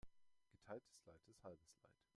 Geteiltes Leid ist halbes Leid.